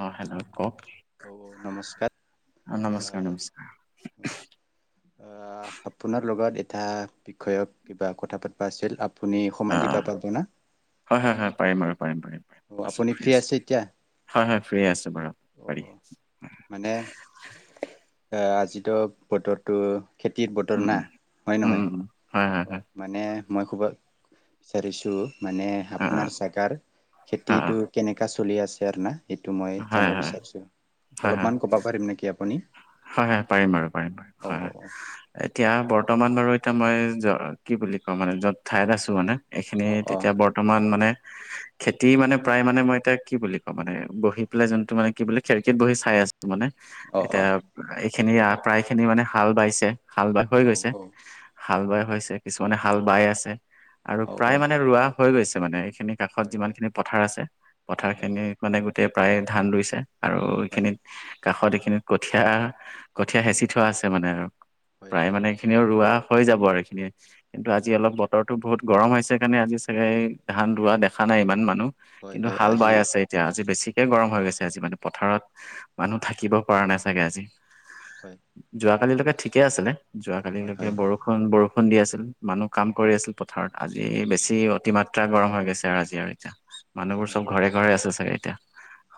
অ', hello কওক, অ নমস্কাৰ নমস্কাৰ আহ নমস্কাৰ আপোনাৰ লগত এটা বিষয়ক কিবা কথা পাতবা আছিল আ আপুনি অ অ সমাধি পা পাব না হয়, হয়, হয়, পাৰিম আৰু পাৰিম পাৰিম পাৰিম, অ আছোঁ আপুনি ফ্ৰী আছোঁ আছে এতিয়া হয় হয় ফ্ৰী আছো বাৰু পাৰি অ', মানে এ আজিতো বতৰটো খেতিৰ বতৰ উম না, উম হয় উম উম নহয় উম হয় হয় অ', হয় মানে মই খুবা বিচাৰিছো মানে অ অ আপোনাৰ জাগাৰ অ খেতিটো কেনেকুৱা চলি আছে আৰু না সেইটো অ মই হয় জানিব হয় বিচাৰিছোঁ হয় হয় অলপমান ক'ব পাৰিম নেকি আপুনি হয় হয়, পাৰিম বাৰু পাৰিম বাৰু অ হয় এতিয়া ব বৰ্তমান বাৰু এতিয়া মই কি বুলি কওঁ মানে য'ত ঠাইত আছো মানে এইখিনি তেতিয়া বৰ্তমান মানে উ খেতি মানে প্ৰায় মানে মই এতিয়া কি বুলি কওঁ মানে বহি পেলাই যোনটো মানে কি বুলি খেৰিকীত বহি চাই আছে মানে অ অ এতিয়া এইখিনি প্ৰায় খিনি মানে হাল বাইছে হাল বাই হৈ অ গৈছে, অ অ হাল বাই হৈছে, কিছুমানে হাল বাই আছে আৰু অ অ অ প্ৰায় মানে ৰোৱা হৈ গৈছে মানে স খিনি কাষত হয় হয় যিমানখিনি পথাৰ আছে পথাৰ হয় হয় খিনিত মানে গোটেই প্ৰায় ধান ৰুইছে আৰু হয় এইখিনিত কাষত এইখিনিত কঠিয়া কঠীয়া হেঁচি থোৱা আছে মানে আৰু হয় প্ৰায় হয় মানে এইখিনিও ৰোৱা হৈ যাব আৰু এইখিনিয়ে কিন্তু আজি অলপ বতৰটো বহুত গৰম হৈছে কাৰণে আজি চাগে ধান ৰোৱা দেখা ন নাই ইমান মানুহ হয় কিন্তু হয় হাল আজি বাই আছে এতিয়া আজি বেছি একে গৰম হৈ গৈছে আজি মানে পথাৰত মানুহ থাকিব পৰা নাই চাগে আজি হয় কালিলৈকে ঠিকে আছিলে যোৱ হয় কালিলৈকে হয় বৰষুণ বৰষু ষুণ দি আছিল মানুহ কাম কৰি আছিল পথাৰত আজি বেছি অতিমাত্ৰা গৰম হৈ গৈছে আৰু আজি আৰু এতিয়া। মানুহবোৰ হয় চব হয় ঘৰে ঘৰে আছে চাগে এতিয়া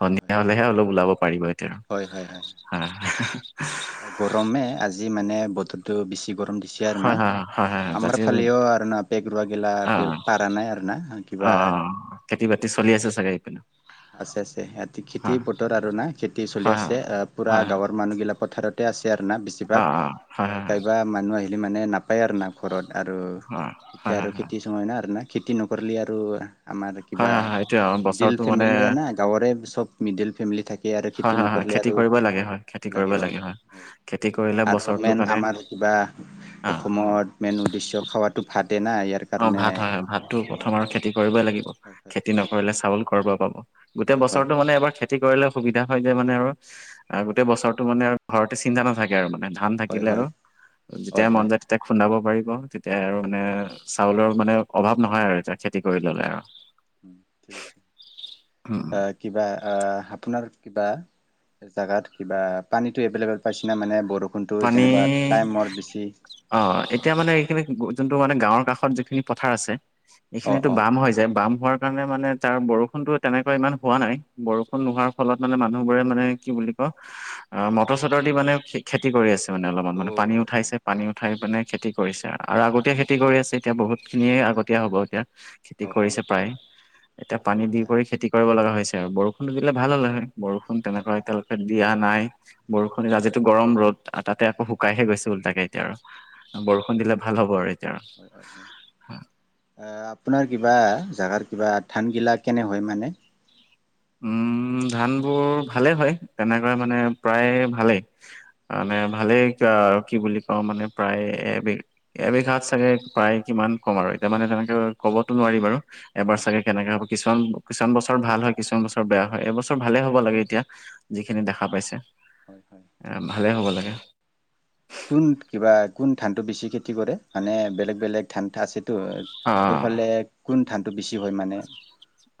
হয় হলেহে অলপ ওলাব পাৰিব। হয় হয় হয়। হ হ হা গৰমে আজি মানে বতৰটো বেছি গৰম দিছে আৰু হয় না হয় হয় হয় হয় আমাৰ জাতি ফালেও আৰু না পেগৰুৱা গিলা অ পাৰা নাই আৰু না অ কিবা খেতি বাতি চলি আছে চাগে? এইপিনে আছে আছে সিহঁতি খেতি হয় বতৰ আৰু না খেতি চলি হয় হয় আছে পুৰা হয় হয় গাঁবৰ মানুহগিলাক পথাৰতে আছে আৰু না অ অ বেছিভাগ হয় হয় কাইবা মানুহ আহ হিলে মানে নাপায় আৰু না ঘৰত আৰু হয় হয় এতিয়া হয় আৰু হয় খেতি চময় না আৰু না খেতি নকৰিলে আৰু আমাৰ হয় কিবা হয় হয় এইটোৱে আৰু মিডিল বছৰটো ফে মানে গাঁৱৰে চব মিডিল ফেমিলি থাকে থাকে আৰু হয় খেতি হয় হয় নকৰিলে খেতি আৰু কৰিবই লাগে হয় খেতি লাগে কৰিবই অ হয় খেতি কৰিলে আৰু বছৰটোৰ মেইন কাৰণে আমাৰ কি বা অ অসমত মেইন উদ্দেশ্য খোৱাটো ভাতেই না ইয়াৰ। অ কাৰণে ভাত হয় হয় ভাতটো হয় প্ৰথম আৰু খেতি কৰিবই লাগিব হয় হয় খেতি নকৰিলে চাউল কৰবা পাব। গোটেই হয় হয় বছৰৰতটো মানে এবাৰ খে খেতি কৰিলে সুবিধা হয় যে মানে আৰু গোটেই বছৰৰতটো মানে আৰু ঘৰতে চিন্তা নাথাকে আৰু মানে। ধান হয় থাকিলে আৰু হয় হয় যেতিয়াই মন হয় যায় তেতিয়া খুন্দাব পাৰিব তেতিয়াই আৰু হয় মানে চাউলৰ মানে অভাৱ নহয় আৰু এতিয়া খে - হয় ঠিক আছে উম কিবা আ আপোনাৰ কিবা জাগাত কিবা পানীটো এভেইলেবল পাইছনে মানে বৰ পানী অ এতিয়া মানে এইখিনি যোন টো মানে গাঁৱৰ কাষত যিখিনি পথাৰ আছে অ এইখিনিতো অ বাম হৈ যায় বাম হোৱাৰ কাৰণে মানে তাৰ বৰষুণতো তেনেকুৱা ইমান হোৱা নাই বৰষুণ নোহোৱাৰ ফলত মানে মানুহবোৰে মানে কি বুলি কয়? অ হয় মটৰ চটৰ দি মানে খেতি কৰি আছে। মানে অলপমান অ মানে পানী উঠাইছে পানী ভাল উঠাই ভাল মানে খেতি কৰিছে আৰু আগত অ খেতি কৰি আছে। এতিয়া বহুত খিনিয়ে আগতীয়া হ'ব এতিয়া খেতি অ অ কৰিছে প্ৰায়। এতিয়া পানী দি আচ্ছা কৰি খেতি কৰিব লগা হৈছে আৰু বৰষুণটো দিলে ভাল হ'লে হয়। বৰষুণ হয় তেনেকুৱা হয় হয় এতিয়ালৈকে দিয়া নাই বৰষুণ আজিটো গৰম ৰ'দ তাতে আকৌ শুকাইহে গৈছো ওলটাকে এতিয়া আৰু বৰষুণ দিলে ভাল হ'ব আৰু। এতিয়া আৰু আপোনাৰ কিবা জাগাৰ কিবা ধানগিলা কেনে হয় মানে? উম। উম ধানবোৰ ভালে হয় তেনেকৈ মানে প্ৰায় ভালেই মানে ভালেই কিবা কি বুলি কওঁ মানে প্ৰায় এবিঘ এবিঘাত চাগে প্ৰায় কিমান কম আৰু এতিয়া মানে তেনেকে ক'বতো নোৱাৰি বাৰু এবাৰ হয় চাগে হয় কেনেকে হব কিছুমান কিছুমান বছৰ ভাল হয়। কিছুমান বছৰ বেয়া হয় এইবছৰ ভালে হব লাগে এতিয়া যিখিনি দেখা পাইছে। হয় হয় ঠিক এ ঠিক ভালে হ'ব লাগে। কোন কিবা কোন ধানটো বেছি খেতি কৰে মানে বেলেগ বেলেগ ধান আছে তো অ ফালে কোন ধানটো বেছি হয় মানে?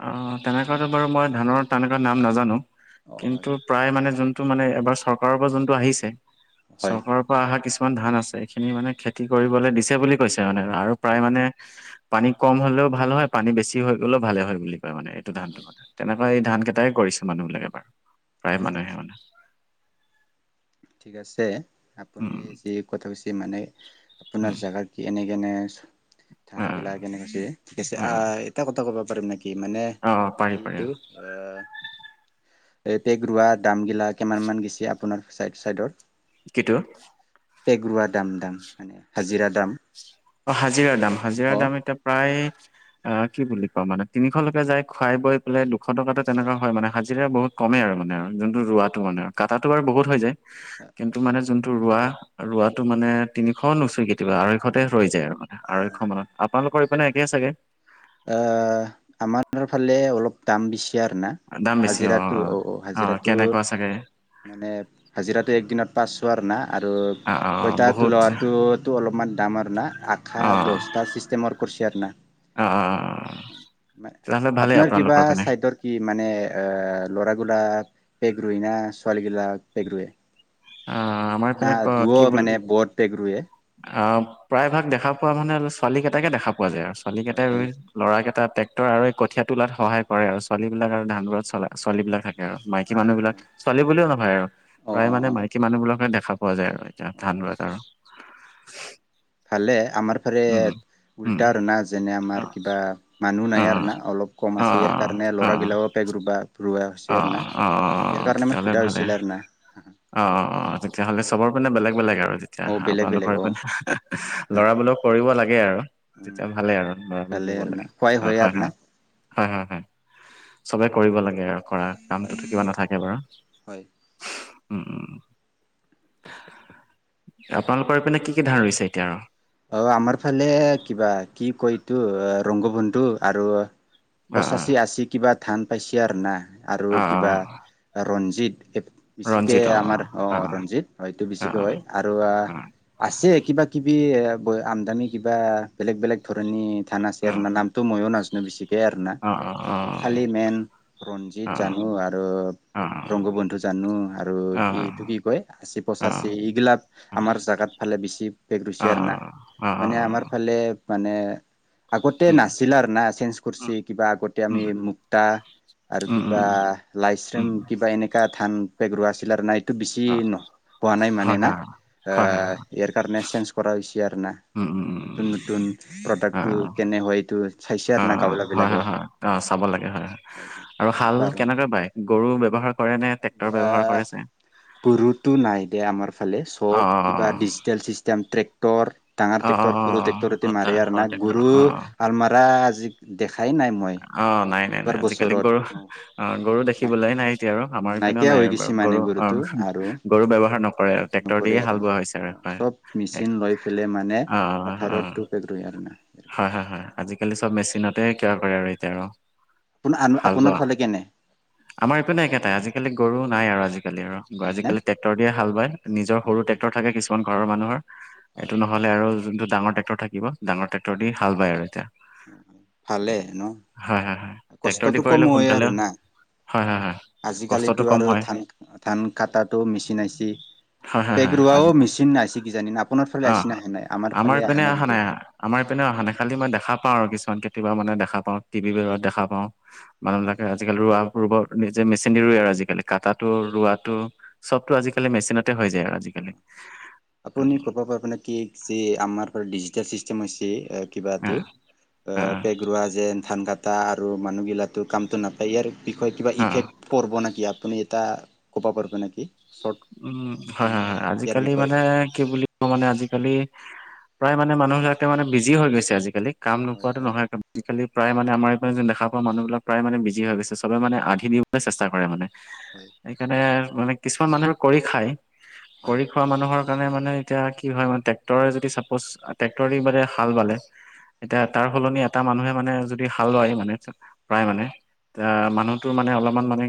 অ তেনেকুৱটো বাৰু মই ধানৰ তেনেকুৱা নাম নাজানো অ হয় কিন্তু প্ৰায় মানে যোন? মানে এবাৰ চৰকাৰৰ পৰা যোনটো আহিছে হয় চৰকাৰৰ পৰা আহা কিছুমান- কিছুমান ধান আছে এইখিনি মানে খেতি কৰিবলৈ দিছে বুলি কৈছে মানে আৰু প্ৰায় হয় মানে হয় পানী কম হ'লেও ভাল হয় পানী বেছি হৈ গ'লেও ভালে হয় বুলি কয় মানে এইটো হয় ধানটো হয় কথা তেনে এই ধান কেইটাই কৰিছে মানুহ বিলাকে বাৰু প্ৰায় আচ্ছা মানুহে আচ্ছা মানে। ঠিক আছে আপুনি উম যি কথা কচ মানে আপোনাৰ উম জোগাৰ কি এনে কেনে ধান অ গিলা কেনেকৈছে অ এটা কথা কব পাৰিম নেকি? কি মানে অ পাৰি পাৰি অ, কিটো এ- এপেগ ৰোৱা দামগিলা কিমান মান গচ আপোনাৰ চাই চাইডৰ? কিন্ত পেগৰুৱা দাম দাম মানে হাজিৰা দাম অ হাজিৰাৰ দাম হাজিৰাৰ দাম এতিয়া প্ৰায় উ [unintelligible] অ কি বুলি কোৱা মানে তিনিশলৈকে যাই খুৱাই বৈ পেলাই দুশ টকাটো তেনেকুৱা হয় মানে হাজিৰা বহুত কমে আৰু মানে। যোনটো ৰোৱাটো মানে আৰু কাটাটো বাৰু বহুত হৈ যায় কিন্তু মানে যোনটো ৰোৱা ৰোৱাটো মানে তিনিশ নুচুই কেতিয়াবা আঢ়ৈশতে ৰৈ যায় আৰু, মানে আঢ়ৈশ মানত আপোনালোকৰ ইপিনে একে চাগে। অঁ আমাৰ ফালে অলপ দাম বেছি। না দাম বেছি অ', হাজিৰাটো অ', অঁ অঁ অ', হাজিৰাটো কেনেকুৱা চাগে? মানে হাজিৰাটো একদিনত পাঁচ আৰু অ', অ', পইতা বহুত তোলোৱাটোতো অলপমান দামৰ না আশা অ', দহটা চিষ্টেমৰ ক কৰ চেয়াৰ ন [unintelligible] অ', অ', তেতিয়াহ'লে ভালেই আপোনাৰ কিবা আপোনালোকৰ পিনে। চাইডৰ কি মানে এ লৰা গলা পেগ ৰই না ছোৱালী গিলা পেগ ৰোৱে অ আমাৰ ফালে ক কি বুলি বত পেগ ৰুৱে আহ প্ৰায় ভাগ দেখা পোৱা মানে ছোৱালী কেইটাকে দেখা পোৱা যায় আৰু ছোৱালী হয় কেইটাই ৰ হয় ল'ৰা কেইটা ট্ৰেক্টৰ আৰু এই কঠীয়া তোলাত সহায় কৰে আৰু ছোৱালী বিলাক আৰু ধান ৰোৱা ছোৱালী বিলাক থাকে আৰু মাইকী মানুহ হয় বিলাক। ছোৱালী বুলিও নহয় আৰু, অ প্ৰায় অ মানে অ মাইকী মানুহ বিলাকে দেখা পোৱা যায় আৰু এতিয়া হয় ধান হয় ৰোৱাত আৰু। ভালে আমাৰ ফালে, উম, উম, উল্টা আৰু না যেনে আমাৰ অ', কিবা মানুহ নাই অ', আৰু অ', না অলপ কম অ', আছে ইয়াৰ কাৰণে অ', অ', অ', লৰাবিলাককে ৰোৱা হৈছে না ইয়াৰ অঁ কাৰণে মই তেতিয়াহ'লে সোধা ভালে, হৈছিল আৰু না অঁ হয়, অঁ তেতিয়াহ'লে চবৰ মানে বেলেগ বেলেগ আৰু তেতিয়া অ বেলেগ বেলেগ আপোনালোকৰ অ এইফালে ল'ৰাবল বেলেগ কৰিব লাগে আৰু উম তেতিয়া ভালে আৰু লৰাল ভালে কৰিব আৰু না লাগে খোৱাই অ হয় আৰু না হয়। হা হা হা। চবে কৰিব লাগে আৰু কৰা কামটোতো কিবা নাথাকে বাৰু। হয় উম উ আপোনালোকৰ পিনে কি কি ধান ৰুইছ এতিয়া? অঁ, আমাৰ ফালে কিবা কি কয় এইটো ৰংগ বন্ধু আৰু অ', অ', পঁচাশী আশী কিবা ধান পাইছে আৰু না আৰু অ', কিবা অ', ৰঞ্জিত বেছিকে ৰঞ্জিত আমাৰ অ', অঁ, অ', ৰঞ্জিত হয়টো অ', বেছিকে অ', হয় আৰু অ', আ আছে কিবা কিবি এ আমদামি কিবা বেলেগ বেলেগ ধৰণী থানা আছে অ', আৰু অ', ন নামতো ময়ো নাজানো বেছিকে আৰু না অ', অ', অ', অ', অ', অ', এই অ', খালি অ মেইন ৰঞ্জিত অ জানু আৰু ৰংগ বন্ধু জানো আৰু কি এইটো কি কয় আশী পঁচাশী এইগিলা আমাৰ জাগাত ভা বেছি বেগ ৰৰুচি আৰু না মানে আমাৰ ফালে মানে আগতে উম, নাছিলা আৰু না চেঞ্জ উম, কৰ্চ কিবা আগতে আমি মুক্তা আৰু উম, উম, কিবা উম, লাইশ্ৰম উম কিবা এনেকা ধান পেগৰুা আছিল আৰু নাইট টো বেছি অ', ন হোৱা নাই হয়, মানে না হয়, আ হয়, হয়, হয় ইয়াৰ কাৰণে চেঞ্জ কৰা হৈছি উম, উম, উম। নতুন নতুন অ প্ৰডাক্টটো কেনে হয় এইটো চাইছে আৰু না গাৱল বিলাকৰ অঁ, চাব লাগে হয় আৰু শাল কেনেকৈ বাই গৰু ব্যৱহাৰ কৰে নে ট্ৰেক্টৰ এ ব্যৱহাৰ কৰে চাগে গৰুতো নাই। এতিয়া আমাৰ ফালে অ চব অ কিবা ডিজিটেল চিষ্টেম ট্ৰেক্টৰ ডাঙৰ অ অ অ ট্ৰেক্টৰ সৰু অ ট্ৰেক্টৰ মাৰি তাৰ আৰু হ'ল না ট্ৰেক্টৰ গুৰু অ আল মাৰা আজি দেখাই নাই মই অঁ, নাই নাই নাই এইবাৰ আজিকালি বছৰত গৰু অ গৰু দেখিবলৈ নাই এতিয়া আৰু আমাৰ ইপিনেও নাইকিয়া নাই হৈ আৰু ব গৈছে মানে গৰু অঁ গৰুটো আৰু গৰু ব্যৱহাৰ নকৰে আৰু ট্ৰেক্টৰ নকৰে দিয়ে হাল আৰু বোৱা হৈছে অ আৰু হয়। চব এক মেচিন লৈ ফেলে মানে অ অ পথাৰত টোগ [unintelligible] আৰু না। হয় হয় হয় আজিকালি চব মেচিনতে কায়েৰ কৰে আৰু এতিয়া আৰু। আপোন হাল আপোনাৰ বোৱা ফালে কেনে আমাৰ এইটো নাই একেটাই আজিকালি গৰু নাই আৰু আজি কালি আৰ গ নাই না আজিকালি টেক্টৰ দিয়ে হাল বায় নিৰ হয় সৰু হয় টেক্টৰ থাকে কিছু ঘৰৰ মানুহৰ। এইটো হয় নহলে আৰু যোনটো ডাঙৰ ট্ৰেক্টৰ থাকিব ডাঙৰ ট্ৰেক্টৰ দি হাল বায় আৰু এতিয়া। ভালে ন হয় হয় হয় ট্ৰেক্টৰ দি কষ্টটো কম কৰিলে আৰ সোনকালে না। হয় হয় হয় কষ্টটো আজিকালিতো কম আৰু হয় ধান ধান কটাটো মেচিনা আইছি। হয় হয় পেগ হয় আজি ৰোৱাও মেচিন আইছি কিজানি আপোনাৰ ফালে অ আইছি নাহে নাই আমাৰ ফালে অহা নাই কিন্তু। না অহা নাই খালি মই দেখা পাওঁ আৰু কিছুমান কেতিয়াবা মানে দেখা পাওঁ টিভি বিলাকত দেখা পাওঁ। মানুহবিলাকে আজিকালি ৰোৱাও ৰুব নিজে মেচিন ৰুই আৰু আজিকালি কাটাটো ৰোৱাটো সবটো আজিকালি মেচিনতে হৈ যায় আৰু আজিকালি। অ আপুনি ক'ব পাৰব নে কি যে আমাৰ পৰা ডিজিটেল চিষ্টেম হৈছে অ কিবাতো অ পেগ ৰুৱা যেন ধান কটা আৰু মানুহগিলাটো কামটো নাপায় আৰ বিষয়ে কিবা অ অ ইফেক্ট পৰব না কি আপুনি এটা ক'ব পাৰব নেকি? চৰ্ট উম হয় এনে হয় হয় ইয়াৰ আজিকালি বিষয়ে মানে বুলি ক মানে আজিকালি প্ৰায় মানে মানুহবিলাকে মানে বিজি হৈ গৈছে আজিকালি। কাম হয় নোপোৱাটো হয় নহয় একে আজিকালি প্ৰায় মানে আমাৰ এইপিনে যেন দেখা পাওঁ মানুহবিলাক প্ৰায় মানে বিজি হৈ গৈছে চব মানে আধি দিবলে চেষ্টা কৰে মানে। হয় সেইকাৰণে মানে কিছুমান মানুহে কৰি খায়। হয় কৰি খোৱা মানুহৰ কানে মানে এতিয়া কি হয় মানে ট্ৰেক্টৰে যদি চাপ'জ ট্ৰেক্টৰেদি বাদে হাল বালে। এতিয়া হয় হয় তাৰ সলনি এটা মানুহে মানে যদি হাল লয় মানে প্ৰায় মানে তা মানুহটোৰ মানে অলপমান মানে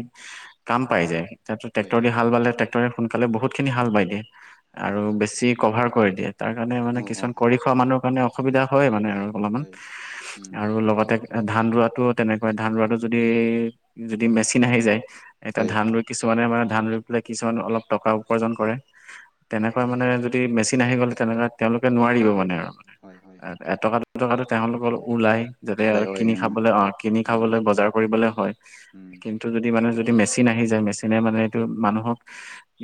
কাম পাই যায় তখতো হয় ট্ৰেক্টৰ দি হয় হাল বালে তই সোনকালে বহুত খিনি হাল বাই দিয়ে, হয় আৰু হয় বেছি কভাৰ কৰি দিয়ে। তাৰ কাৰণে মানে অ' কিছুমান অ' কৰি খোৱা মানুহৰ কাৰণে উম অসুবিধা হয় মানে আৰু অলমান। হয় উম আৰু লগতে, ধান ৰোৱাতো তেনেকুৱা, ধান ৰোৱাটো যদি যদি মেচিন আহি যায়। এতিয়া হয় ধান ৰুই, কিছুমানে মানে ধান ৰুই পেলাই কিছুমানে অলপ টকা উপাৰ্জন কৰে। তেনেকুৱা মানে যদি মেচিন আহি গ'ল, তেনেকা তেওঁলোকে নোৱাৰিব মানে আৰু। হয় হয় এটকা-দুটকাটো তেওঁলোকৰো ওলাই যাতে ওলাই হয় কিনি উম খাবলে অ' কিনি উম খাবলৈ, বজাৰ কৰিবলৈ হয়। উম কিন্তু, যদি মানে যদি মেচিন আহি যায় মেচিনে মানে এইটো মানুহক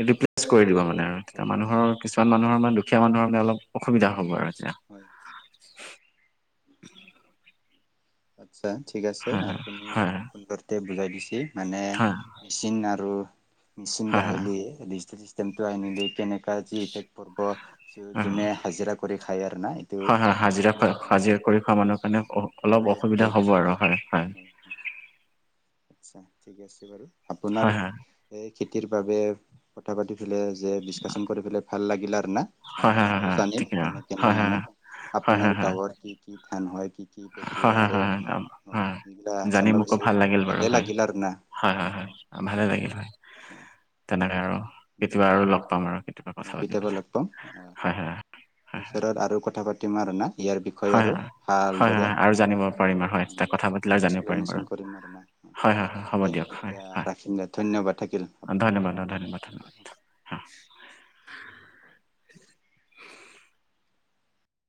ৰিপ্লেচ কৰি দিব মানে। তেতিয়া হয় হয় মানুহৰ কিছুমান উম মানুহৰ মানে দুখীয়া মানুহৰ মানে অলপ অসুবিধা হ'ব আৰু। এতিয়া হয়। [inaudible] আচ্ছা, ঠিক আছে হয় আপুনি হয় ফোন কৰতে বুজাই দিছে। মানে, হয় মেচিন আৰু মেচিন হয় হয় গাহিলে, ডিজিটেল চিষ্টেমটো আনিলে কেনেকা যি ইফেক পৰব, হয় হয় যোনে হাজিৰা কৰি খায় আ হয় হয়, হাজিৰা [unintelligible] হাজিৰা কৰি খোৱা মানুহৰ কাৰণে অলপ সুন্দৰে অসু বুজাই বিধা হ'ব দিছে আৰু, হয় হয়। আচ্ছা ঠিক আছে বাৰু। আপোনাৰ হয় এই খেতিৰ বাবে কথা পাতি পেলে যে ডিচকাশচন কৰি পেলাই ভাল লাগিলে। হয় মানে হয় হয় হয় ময়ো হয় জানিম, ঠিকে কেনে কেনে হয় হয় মানে হয় হয় আপোনাৰ হয় গাঁৱৰ কি কি ধান হয়? [unintelligible] হম হম অ হম, সেইগিলা জানি জানিব মোকো পাইছো ভাল লাগিল বাৰু, ভালে হয়। লাগিল আৰু হয় হয় হয়, ভালে লাগিল হয়। উ তেনেকৈ আৰু কেতিয়াবা আৰু লগ পাম আৰু কেতিয়াবা কথা পাতিবলৈ হয় হয় হয় পিচত আৰু কথা পাতিম আৰু না ইয়াৰ বিষয়ে হয়, আৰু হয়, ভাল। হয় হয় হয় আৰু জানিব পাৰিম আৰু হয় ত কথা পাতিলে মোৰ জানিব পাৰিম বাৰু এক্সপ্লেনেশ্যন কৰিম আৰু না হয় হয় হয় হ'ব দে দিয়ক হয়। এতিয়া হয় ৰাখিম দে ধন্যবাদ থাকিল ধন্যবাদ আপোনালোক ধন্যবাদ ধন্যবাদ হয়। [unintelligible]